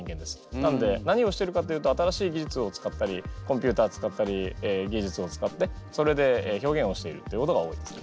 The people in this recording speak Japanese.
なので何をしてるかというと新しい技術を使ったりコンピューター使ったり技術を使ってそれで表現をしているってことが多いですね。